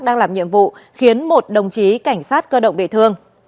đang làm nhiệm vụ khiến một đồng chí cảnh sát cơ động bị thương